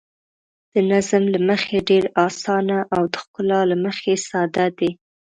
د نظم له مخې ډېر اسانه او د ښکلا له مخې ساده دي.